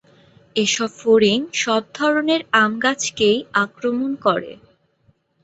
এসব ফড়িং সব ধরনের আম গাছকেই আক্রমণ করে।